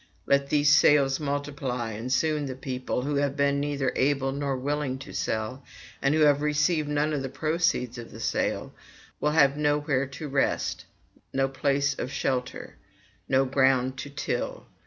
Let these sales multiply, and soon the people who have been neither able nor willing to sell, and who have received none of the proceeds of the sale will have nowhere to rest, no place of shelter, no ground to till.